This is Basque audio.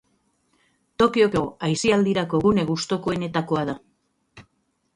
Tokioko aisialdirako gune gustukoenetakoa da.